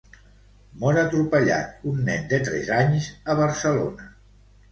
Mor atropellat un nen de tres anys a Barcelona.